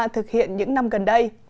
thực hiện những năm gần đây